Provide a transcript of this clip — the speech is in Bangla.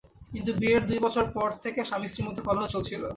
কিন্তু বিয়ের দুই বছর পর থেকে স্বামী স্ত্রীর মধ্যে কলহ চলছিল।